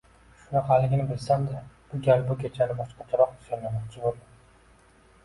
Shunaqaligini bilsam-da, bu gal bu kechani boshqachroq nishonlamoqchi bo`ldim